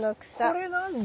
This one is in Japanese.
これ何だ？